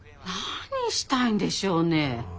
何したいんでしょうね。